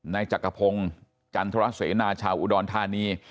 จักรพงศ์จันทรเสนาชาวอุดรธานี